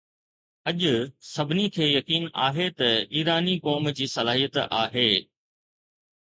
اڄ، سڀني کي يقين آهي ته ايراني قوم جي صلاحيت آهي